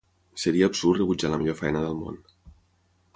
Seria absurd rebutjar la millor feina del món.